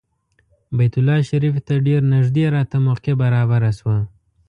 بیت الله شریفې ته ډېر نږدې راته موقع برابره شوه.